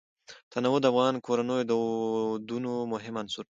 تنوع د افغان کورنیو د دودونو مهم عنصر دی.